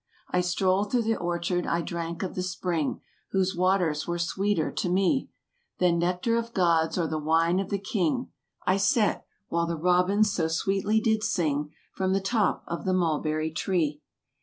I strolled through the orchard; I drank of the spring Whose waters were sweeter to me Than nectar of gods, or the wine of the king; I sat, while the robins so sweetly did sing. From the top of the mulberry tree.